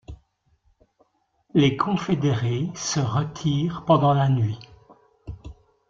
Les confédérés se retirent pendant la nuit.